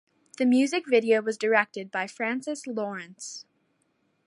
The music video was directed by Francis Lawrence.